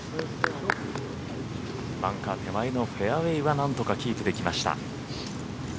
バンカー手前のフェアウエーは何とかキープできました。